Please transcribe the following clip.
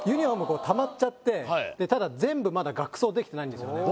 こうたまっちゃってただ全部まだ額装できてないんですよね